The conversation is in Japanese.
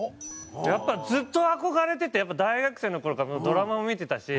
やっぱずっと憧れてて大学生の頃からドラマも見てたし。